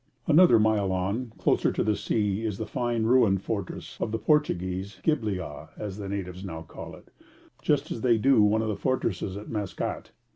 Another mile on, closer to the sea, is the fine ruined fortress of the Portuguese, Gibliah, as the natives call it now, just as they do one of the fortresses at Maskat.